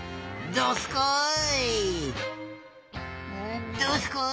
どすこい！